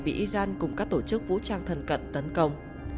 bị iran cùng các tổ chức vũ trang thần cận tấn công